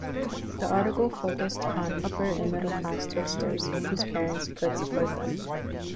The article focused on upper- and middle-class Twixters whose parents could support them.